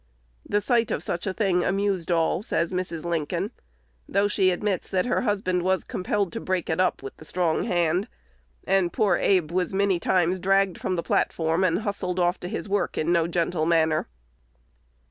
"The sight of such a thing amused all," says Mrs. Lincoln; though she admits that her husband was compelled to break it up with the strong hand; and poor Abe was many times dragged from the platform, and hustled off to his work in no gentle manner.